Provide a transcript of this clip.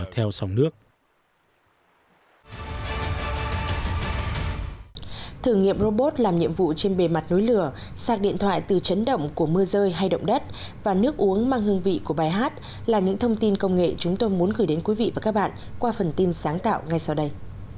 thử nghiệm robot làm nhiệm vụ trên bề mặt núi lửa sạc điện thoại từ chấn động của mưa rơi hay động đất và nước uống mang hương vị của bài hát là những thông tin công nghệ chúng tôi muốn gửi đến quý vị và các bạn qua phần tin sáng tạo ngay sau đây